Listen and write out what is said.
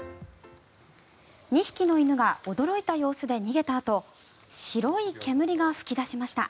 ２匹の犬が驚いた様子で逃げたあと白い煙が噴き出しました。